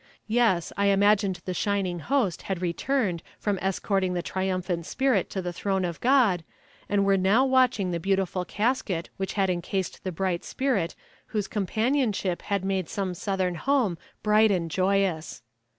Yes, I imagined the shining host had returned from escorting the triumphant spirit to the Throne of God, and were now watching the beautiful casket which had encased the bright spirit whose companionship had made some southern home bright and joyous.